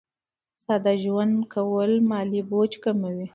ساده ژوند کول مالي بوج کموي.